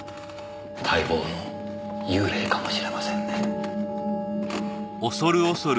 待望の幽霊かもしれませんね。